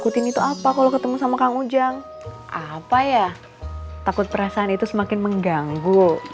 dia ibarat mirip banyak orang